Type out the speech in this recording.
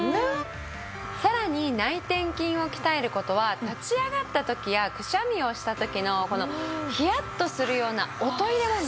さらに内転筋を鍛える事は立ち上がった時やくしゃみをした時のこのヒヤッとするようなおトイレ問題。